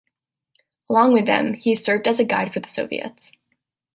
Along with them, he served as a guide for the Soviets.